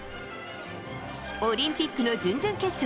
オリンピックの準々決勝。